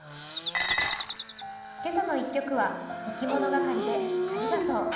「けさの１曲」はいきものがかりで「ありがとう」。